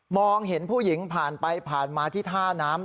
เห็นผู้หญิงผ่านไปผ่านมาที่ท่าน้ำ